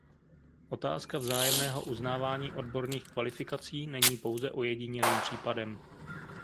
Otázka vzájemného uznávání odborných kvalifikací není pouze ojedinělým případem.